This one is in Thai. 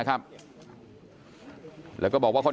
กลุ่มตัวเชียงใหม่